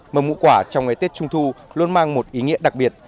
mầm ngũ quả trong ngày tết trung thu luôn mang một ý nghĩa đặc biệt